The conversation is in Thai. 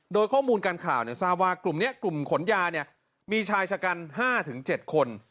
โดยข้อมูลการข่าวซาวากลุ่มขนยามีชายชะกัน๕๗คน